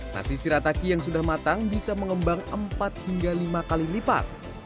nasi shirataki yang sudah matang bisa mengembang empat hingga lima kali lipat